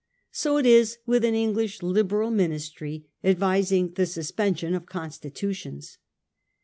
So it is witb an Eng lish Liberal Ministry advising tbe suspension of con stitutions.